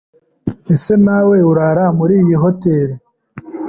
Ese nawe urara muri iyi hoteri?